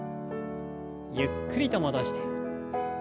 ゆっくりと戻して。